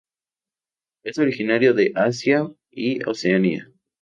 Es originaria de Asia y Oceanía.